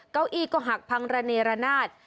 เก้าอี้ก็หักพังระเนรนาศ